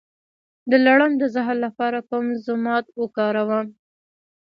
د لړم د زهر لپاره کوم ضماد وکاروم؟